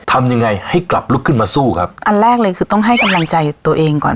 ทำยังไงให้กลับลุกขึ้นมาสู้ครับอันแรกเลยคือต้องให้กำลังใจตัวเองก่อน